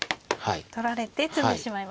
取られて詰んでしまいますね。